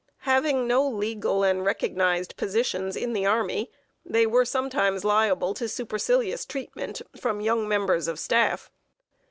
Having no legal and recognized positions in the army, they were sometimes liable to supercilious treatment from young members of staff.